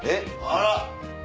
あら！